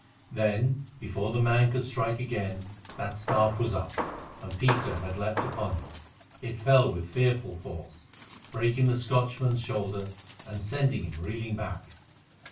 Then, before the man could strike again, that staff was up, and Peter had leapt upon him. It fell with fearful force, breaking the Scotchman's shoulder and sending him reeling back.